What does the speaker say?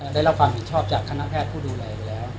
ได้เล่าความหินชอบจากคณะแพทย์ผู้ดูแลอยู่แล้ว